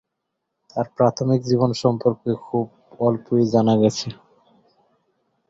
তার প্রাথমিক জীবন সম্পর্কে খুব অল্পই জানা গেছে।